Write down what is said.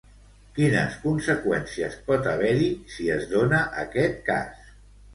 Quines conseqüències pot haver-hi, si es dona aquest cas?